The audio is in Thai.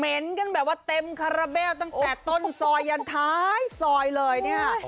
เห็นกันแบบว่าเต็มคาราเบลตั้งแต่ต้นซอยยันท้ายซอยเลยเนี่ยค่ะ